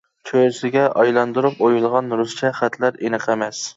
چۆرىسىگە ئايلاندۇرۇپ ئويۇلغان رۇسچە خەتلەر ئېنىق ئەمەس.